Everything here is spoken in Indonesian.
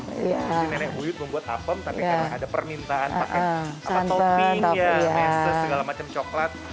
ini nenek buyut membuat apem tapi karena ada permintaan pakai topinya meses segala macam coklat